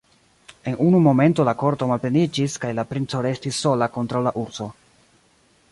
En unu momento la korto malpleniĝis, kaj la princo restis sola kontraŭ la urso.